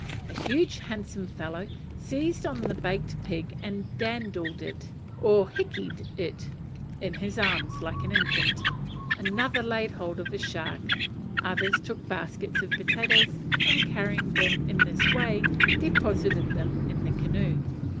A huge handsome fellow seized on the baked pig and dandled it, or hiki'd it, in his arms like an infant; another laid hold of a shark, others took baskets of potatoes, and carrying them in this way deposited them in the canoe.